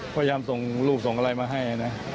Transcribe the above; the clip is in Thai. พยายามส่งรูปส่งอะไรมาให้นะ